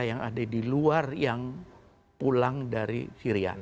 karena ada di luar yang pulang dari syria